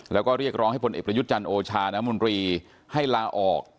แล้วก็เรียกร้องให้ผลเอกประยุทธ์จันทร์โอชาน้ำมนตรีให้ลาออก